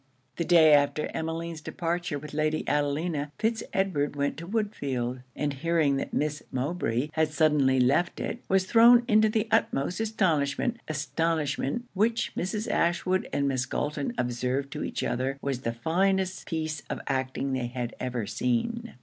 The day after Emmeline's departure with Lady Adelina, Fitz Edward went to Woodfield; and hearing that Miss Mowbray had suddenly left it, was thrown into the utmost astonishment astonishment which Mrs. Ashwood and Miss Galton observed to each other was the finest piece of acting they had ever seen.